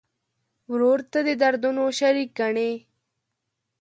ورور ته د دردونو شریک ګڼې.